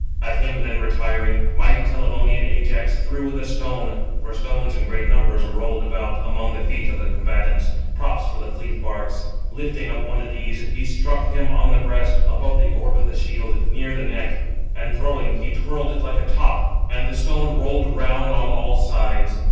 At him then, retiring, mighty Telamonian Ajax [threw] with a stone, for [stones] in great numbers were rolled about among the feet of the combatants, props for the fleet barks; lifting up one of these, he struck him upon the breast, above the orb of the shield, near the neck. And, throwing, he twirled it like a top, and it (the stone) rolled round on all sides.